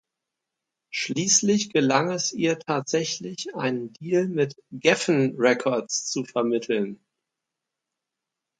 Schließlich gelang es ihr tatsächlich einen Deal mit Geffen Records zu vermitteln.